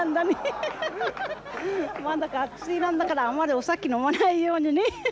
まだ学生なんだからあんまりお酒飲まないようにね。